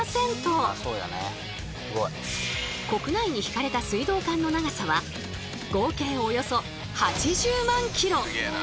国内に引かれた水道管の長さは合計およそ８０万ｋｍ。